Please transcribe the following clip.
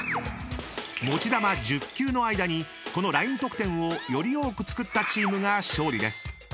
［持ち球１０球の間にこのライン得点をより多くつくったチームが勝利です］